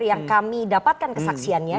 yang kami dapatkan kesaksiannya